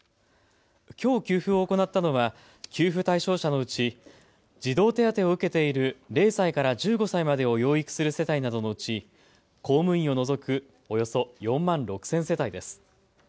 きょう給付を行ったのは給付対象者のうち児童手当を受けている０歳から１５歳までを養育する世帯などのうち公務員を除くおよそ４万６０００世帯です。